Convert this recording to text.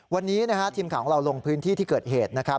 วันนี้ทีมข่าวของเราลงพื้นที่ที่เกิดเหตุนะครับ